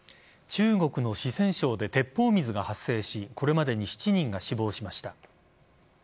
中国の四川省で鉄砲水が発生しこれまでに７人が死亡しました。